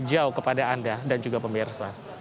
jauh kepada anda dan juga pemirsa